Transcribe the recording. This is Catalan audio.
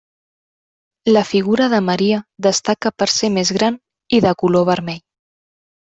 La figura de Maria destaca per ser més gran i de color vermell.